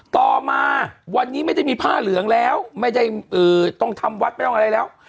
ต่อมาวันนี้ไม่ได้มีผ้าเหลืองแล้วไม่ได้ต้องทำวัดไม่ต้องอะไรแล้ว